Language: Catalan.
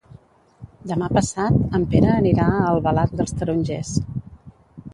Demà passat en Pere anirà a Albalat dels Tarongers.